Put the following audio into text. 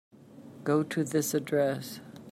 Go to this address.